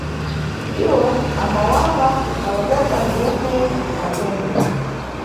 Iwo ambawamba kalokota ntheme kwa Nthete.